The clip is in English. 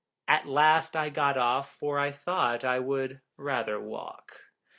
At last I got off, for I thought I would rather walk.